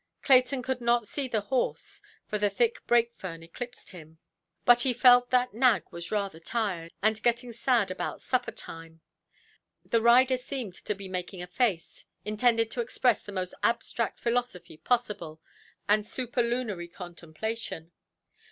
Clayton could not see the horse, for the thick brake–fern eclipsed him. But he felt that the nag was rather tired, and getting sad about supper–time. The rider seemed to be making a face, intended to express the most abstract philosophy possible, and superlunary contemplation.